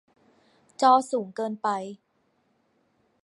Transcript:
จอสูงเกินไป